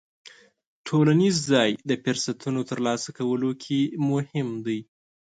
ټولنیز ځای د فرصتونو ترلاسه کولو کې مهم دی.